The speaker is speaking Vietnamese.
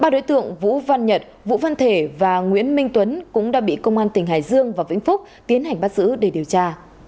ba đối tượng vũ văn nhật vũ văn thể và nguyễn minh tuấn cũng đã bị công an tỉnh hải dương và vĩnh phúc tiến hành bắt giữ để điều tra